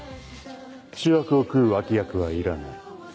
主役を食う脇役はいらない。